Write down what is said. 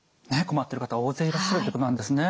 困ってる方大勢いらっしゃるということなんですね。